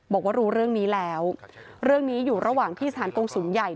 บอกว่ารู้เรื่องนี้แล้วเรื่องนี้อยู่ระหว่างที่สถานกงศูนย์ใหญ่